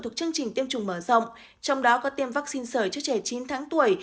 thuộc chương trình tiêm chủng mở rộng trong đó có tiêm vaccine sởi cho trẻ chín tháng tuổi